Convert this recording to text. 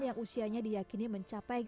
yang usianya diyakini mencapai